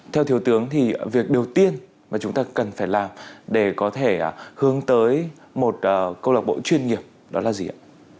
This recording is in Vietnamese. theo thiếu tướng thì việc đầu tiên mà chúng ta cần phải làm để có thể hướng tới một câu lạc bộ chuyên nghiệp đó là gì ạ